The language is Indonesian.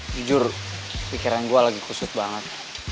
jujur pikiran gue lagi kusut banget